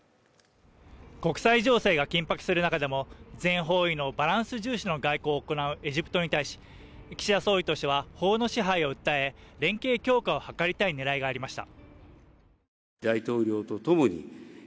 国際情勢が緊迫する中でも、全方位のバランス重視の外交を行うエジプトに対し岸田総理としては、法の支配を訴え連携強化を図りたい狙いがありました。